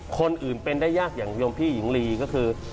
คนอื่นเป็นได้ยากอย่างยมพี่หญิงลีก็คือ